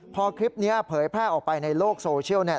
พอคลิปนี้เผยแพร่ออกไปในโลกโซเชียลเนี่ย